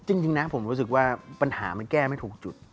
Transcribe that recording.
จริงนะผมรู้สึกว่าปัญหามันแก้ไม่ถูกจุด